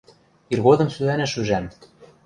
Иргодым сӱӓнӹш ӱжӓм.